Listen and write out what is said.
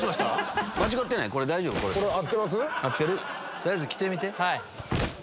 取りあえず着てみて。